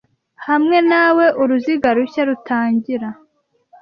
hamwe nawe uruziga rushya rutangira